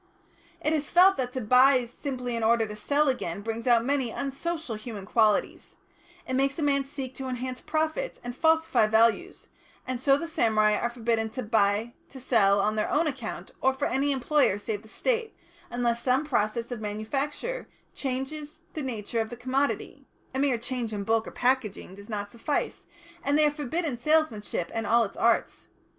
It is felt that to buy simply in order to sell again brings out many unsocial human qualities; it makes a man seek to enhance profits and falsify values, and so the samurai are forbidden to buy to sell on their own account or for any employer save the State, unless some process of manufacture changes the nature of the commodity (a mere change in bulk or packing does not suffice), and they are forbidden salesmanship and all its arts.